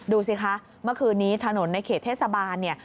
ดูสิคะเมื่อคืนนี้ถนนในเขตเทศบาลเนี่ย